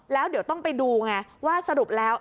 แล้วเดี๋ยวต้องไปดูไงว่าสรุปแล้ว